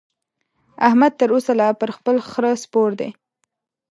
احمد تر اوسه لا پر خپل خره سپور دی.